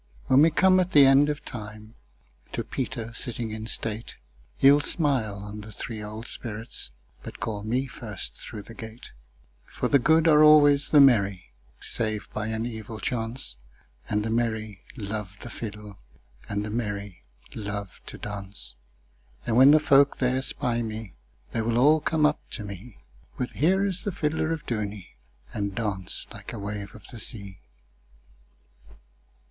When we come at the end of time, To Peter sitting in state, He will smile on the three old spirits, But call me first through the gate; For the good are always the merry, Save by an evil chance, And the merry love the fiddleAnd the merry love to dance:And when the folk there spy me, They will all come up to me, With 'Here is the fiddler of Dooney!'And dance like a wave of the sea.